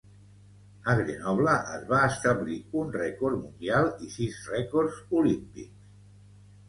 A Grenoble es va establir un rècord mundial i sis rècords olímpics.